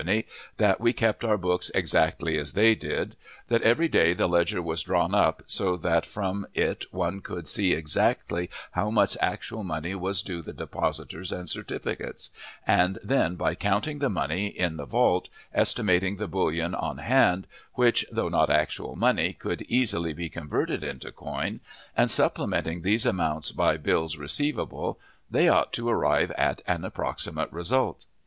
that we kept our books exactly as they did; that every day the ledger was written up, so that from it one could see exactly how much actual money was due the depositors and certificates; and then by counting the money in the vault, estimating the bullion on hand, which, though not actual money, could easily be converted into coin, and supplementing these amounts by "bills receivable," they ought to arrive at an approximate result.